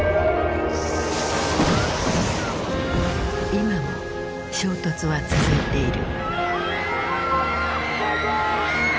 今も衝突は続いている。